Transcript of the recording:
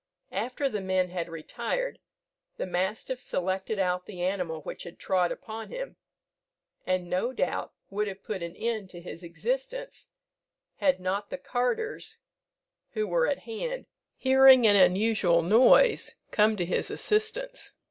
After the men had retired, the mastiff selected out the animal which had trod upon him, and, no doubt, would have put an end to his existence, had not the carters, who were at hand, hearing an unusual noise, come to his assistance.